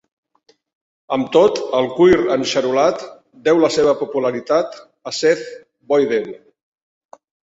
Amb tot, el cuir enxarolat deu la seva popularitat a Seth Boyden.